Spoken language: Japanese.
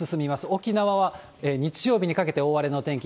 沖縄は日曜日にかけて大荒れの天気。